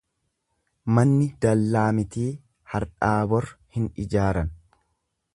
Manni dallaa mitii har'aa bor hin ijaaran.